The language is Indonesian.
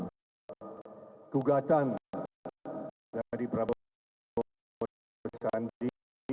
gugatan dari prabowo sandiaga uno resmi